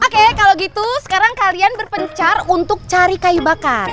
oke kalau gitu sekarang kalian berpencar untuk cari kayu bakar